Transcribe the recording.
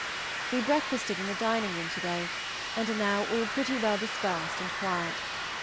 We breakfasted in the dining room to day, and are now all pretty well dispersed and quiet.